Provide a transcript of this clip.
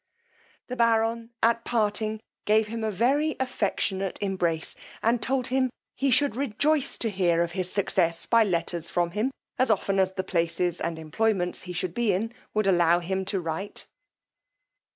The baron at parting gave him a very affectionate embrace, and told him, he should rejoice to hear of his success by letters from him as often as the places and employments he should be in would allow him to write.